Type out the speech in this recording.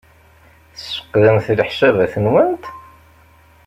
Tesfeqdemt leḥsabat-nwent?